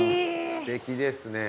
すてきですね。